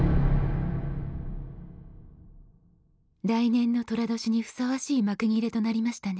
来年のとら年にふさわしい幕切れとなりましたね。